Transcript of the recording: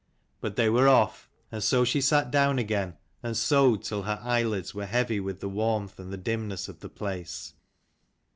But they were off. And so she sat down again and sewed till her eyelids were heavy with the warmth and the dimness of the place.